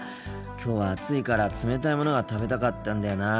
きょうは暑いから冷たいものが食べたかったんだよな。